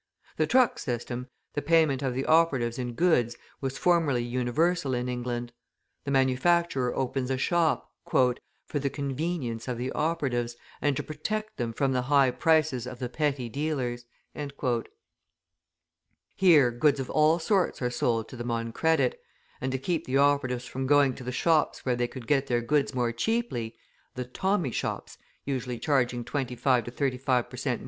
The truck system, the payment of the operatives in goods, was formerly universal in England. The manufacturer opens a shop, "for the convenience of the operatives, and to protect them from the high prices of the petty dealers." Here goods of all sorts are sold to them on credit; and to keep the operatives from going to the shops where they could get their goods more cheaply the "Tommy shops" usually charging twenty five to thirty per cent.